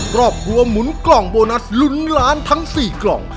ครอบครัวหมุนกล่องโบนัสลุ้นล้านทั้ง๔กล่อง